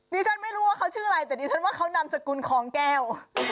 ดิฉันไม่รู้ว่าเขาชื่ออะไรแต่ดิฉันว่าเขานามสกุลคลองแก้ว